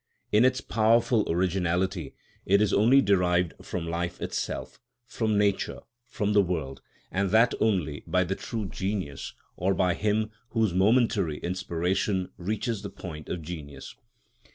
In its powerful originality it is only derived from life itself, from nature, from the world, and that only by the true genius, or by him whose momentary inspiration reaches the point of genius.